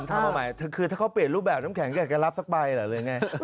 ถามมาใหม่คือถ้าเขาเปลี่ยนรูปแบบน้ำแข็งแกก็รับสักใบหรืออะไรอย่างนี้